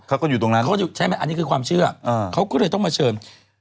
เขาก็อยู่ตรงนั้นเขาใช่ไหมอันนี้คือความเชื่อเขาก็เลยต้องมาเชิญ